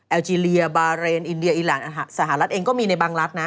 เจเลียบาเรนอินเดียอีหลานสหรัฐเองก็มีในบางรัฐนะ